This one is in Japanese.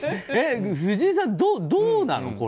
藤井さん、どうなの？